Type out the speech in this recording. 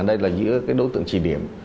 ở đây là giữa cái đối tượng trị điểm